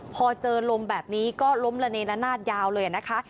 พอเจอลมแบบนี้ก็ล้มระเนละนาดยาวเลยนะคะ